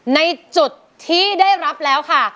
ในจุดที่ได้รับแล้วค่ะ